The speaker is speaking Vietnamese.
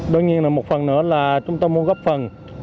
đương nhiên là một phần nữa là chúng tôi muốn góp phần